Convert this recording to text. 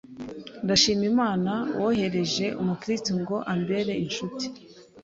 Ndashima Imana wohereje umukristo ngo ambere incuti,